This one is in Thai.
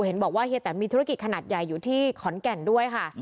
เห็นบอกว่าเฮียแตมมีธุรกิจขนาดใหญ่อยู่ที่ขอนแก่นด้วยค่ะ